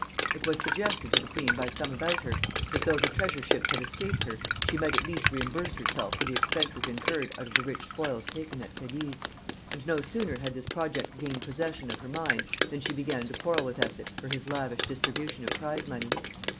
It was suggested to the queen by some about her, that though the treasure ships had escaped her, she might at least reimburse herself for the expenses incurred out of the rich spoils taken at Cadiz; and no sooner had this project gained possession of her mind than she began to quarrel with Essex for his lavish distribution of prize money.